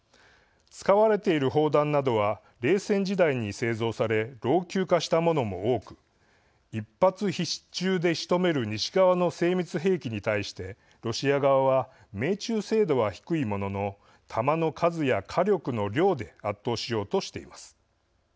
使われている砲弾などは冷戦時代に製造され老朽化したものも多く一発必中でしとめる西側の精密兵器に対してロシア側は命中精度は低いものの弾の数や火力の量で圧倒しようとしています。